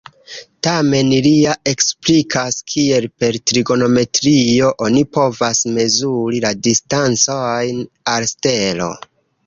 Tamen, li ja eksplikas, kiel per trigonometrio oni povas mezuri la distancojn al stelo.